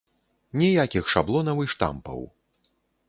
Ніякіх шаблонаў і штампаў!